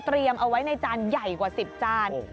เตรียมเอาไว้ในจานใหญ่กว่าสิบจาน